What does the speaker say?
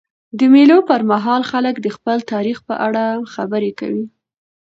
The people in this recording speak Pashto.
د مېلو پر مهال خلک د خپل تاریخ په اړه خبري کوي.